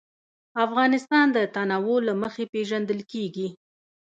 افغانستان د تنوع له مخې پېژندل کېږي.